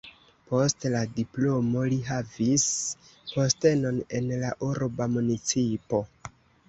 Post la diplomo li havis postenon en la urba municipo.